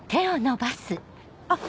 あっ！